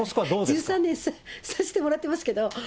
１３年、さしてもらってますけど。